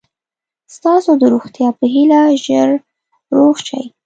ستاسو د روغتیا په هیله چې ژر روغ شئ.